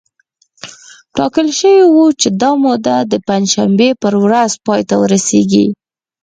ټاکل شوې وه چې دا موده د پنجشنبې په ورځ پای ته ورسېږي